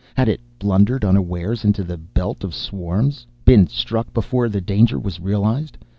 Had it blundered unawares into the belt of swarms been struck before the danger was realized?